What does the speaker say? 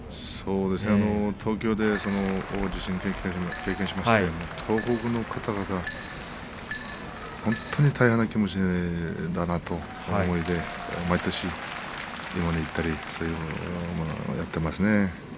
東京で地震を経験しまして東北のかたがた、本当に大変な気持ちだなという思いで毎年慰問にいったりそういうのをやっていますね。